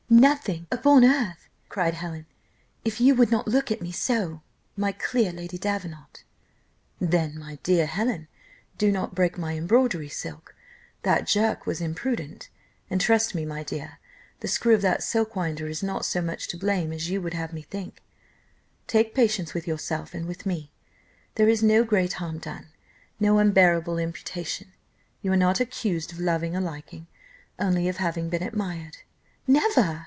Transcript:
"Nothing upon earth!" cried Helen, "if you would not look at me so, my clear Lady Davenant." "Then, my dear Helen, do not break my embroidery silk; that jerk was imprudent, and trust me, my dear, the screw of that silk winder is not so much to blame as you would have me think; take patience with yourself and with me. There is no great harm done, no unbearable imputation, you are not accused of loving or liking, only of having been admired." "Never!"